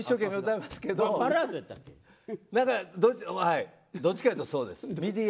どっちかというとそうです。